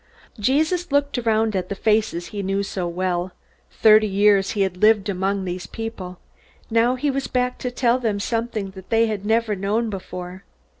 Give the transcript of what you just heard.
Jesus looked around at the faces he knew so well. Thirty years he had lived among these people. Now he was back to tell them something that they had never known before.